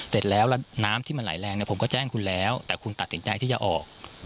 เสร็จแล้วแล้วน้ำที่มันไหลแรงเนี่ยผมก็แจ้งคุณแล้วแต่คุณตัดสินใจที่จะออก